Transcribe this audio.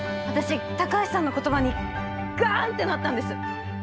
私高橋さんの言葉にガンってなったんです。